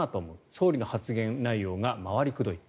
総理の発言内容が回りくどい。